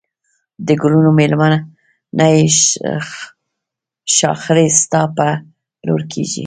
د گلونو مېلمنه یې ښاخلې ستا پر لور کږېږی